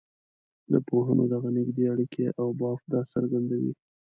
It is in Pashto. د پوهنو دغه نږدې اړیکي او بافت دا څرګندوي.